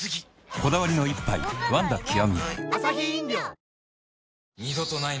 こだわりの一杯「ワンダ極」お？